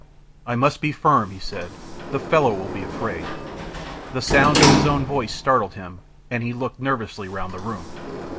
"I must be firm," he said. "The fellow will be afraid." The sound of his own voice startled him, and he looked nervously round the room.